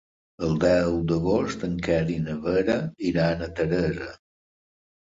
El deu d'agost en Quer i na Vera iran a Teresa.